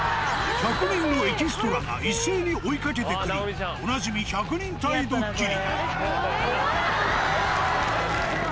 １００人のエキストラが一斉に追いかけてくる、おなじみ、１００人隊ドッキリ。